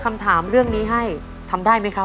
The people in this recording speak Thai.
คุณยายแจ้วเลือกตอบจังหวัดนครราชสีมานะครับ